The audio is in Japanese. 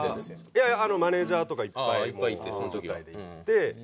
いやいやマネジャーとかいっぱい大所帯で行って。